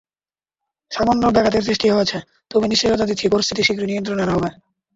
সামান্য ব্যাঘাতের সৃষ্টি হয়েছে, তবে নিশ্চয়তা দিচ্ছি পরিস্থিতি শীঘ্রই - নিয়ন্ত্রণে আনা হবে।